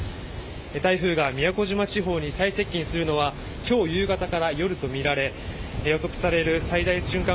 台風が宮古島地方に最接近するのは今日夕方から夜とみられ予測される最大瞬間